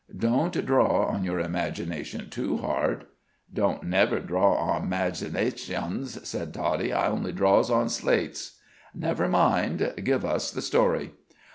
Don't draw on your imagination too hard." "Don't never draw on madzinasuns," said Toddie; "I only draws on slatesh." "Never mind; give us the story."